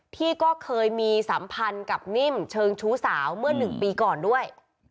ที่ก็เคยมีสัมพันธ์กับนิ่มเชิงชู้สาวเมื่อ๑ปีก่อนด้วย